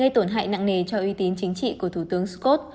gây tổn hại nặng nề cho uy tín chính trị của thủ tướng scott